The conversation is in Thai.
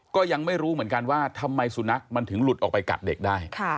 ก็ยังไม่รู้เหมือนกันว่าทำไมสุนัขมันถึงหลุดออกไปกัดเด็กได้